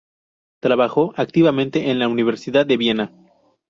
Trabajó activamente en la Universidad de Viena.